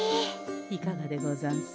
いかがでござんす？